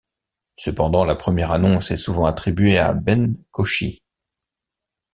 Cependant la première annonce est souvent attribuée à Ben Koshy.